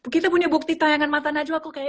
kita punya bukti tayangan mata tanajwa kok kayak